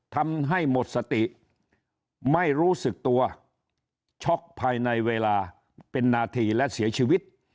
ทำให้หมดสติไม่รู้สึกตัวช็อกภายในเวลาเป็นนาทีและเสียชีวิต